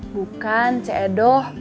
bukan c edo